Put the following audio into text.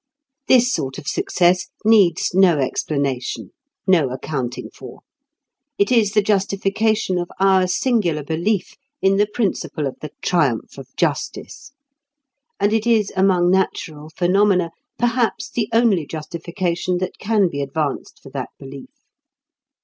This sort of success needs no explanation, no accounting for. It is the justification of our singular belief in the principle of the triumph of justice, and it is among natural phenomena perhaps the only justification that can be advanced for that belief.